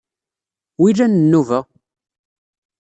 Wilan nnuba?